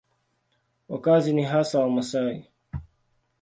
Wakazi ni hasa Wamasai.